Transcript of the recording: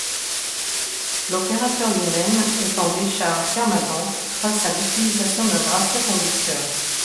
L'opérateur lui-même est en décharge permanente grâce à l'utilisation d'un bracelet conducteur.